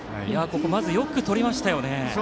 よくとりましたよね。